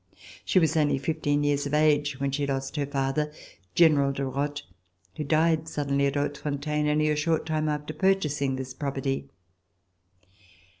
She was only fifteen years of age when she lost her father, General de Rothe, who died suddenly at Hautefontaine, only a short time after purchasing this property.